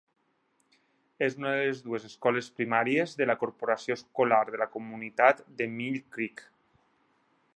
És una de les dues escoles primàries de la corporació escolar de la comunitat de Mill Creek.